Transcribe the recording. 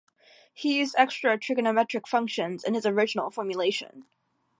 He used extra trigonometric functions in his original formulation.